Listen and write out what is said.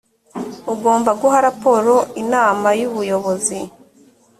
ugomba guha raporo inama y’ubuyobozi